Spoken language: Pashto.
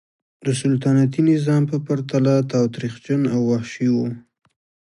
د سلطنتي نظام په پرتله تاوتریخجن او وحشي و.